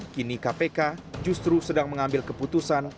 kini kpk justru sedang mengambil keputusan